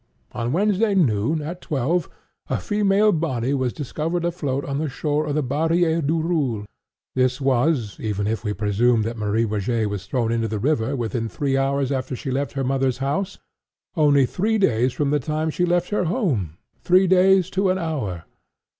On Wednesday noon, at twelve, a female body was discovered afloat on the shore of the Barrière de Roule. This was, even if we presume that Marie Rogêt was thrown into the river within three hours after she left her mother's house, only three days from the time she left her home—three days to an hour.